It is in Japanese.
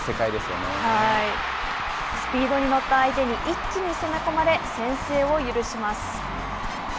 スピードに乗った相手に一気に攻め込まれ先制を許します。